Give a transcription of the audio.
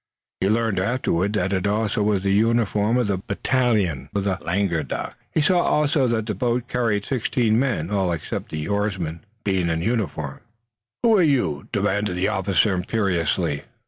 He learned afterward that it was the uniform of a battalion of Languedoc. He saw also that the boat carried sixteen men, all except the oarsmen being in uniform. "Who are you?" demanded the officer imperiously.